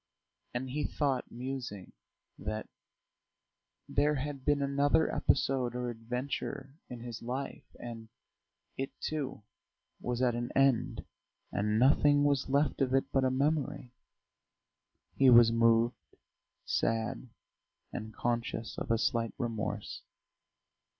And he thought, musing, that there had been another episode or adventure in his life, and it, too, was at an end, and nothing was left of it but a memory.... He was moved, sad, and conscious of a slight remorse.